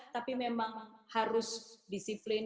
tapi memang harus disiplin